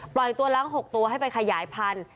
ตัวล้าง๖ตัวให้ไปขยายพันธุ์